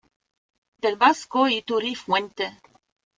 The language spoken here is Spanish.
Del vasco iturri "fuente".